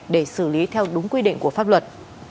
để xử lý theo đúng quy định của pháp luật